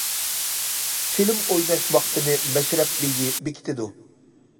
چىلىم ئويناش ۋاقتىنى مەشرەپ بېگى بېكىتىدۇ.